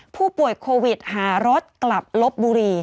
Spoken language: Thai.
ผู้ป่วยโควิดหารถกลับลบบุรี